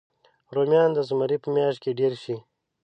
رومیان د زمري په میاشت کې ډېر شي